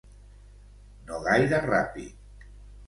No gaire ràpid.